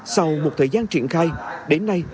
sau một thời gian triển khai đến nay